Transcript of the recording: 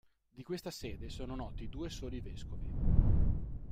Di questa sede sono noti due soli vescovi.